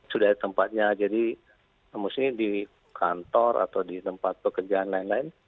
sudah ada tempatnya jadi mestinya di kantor atau di tempat pekerjaan lain lain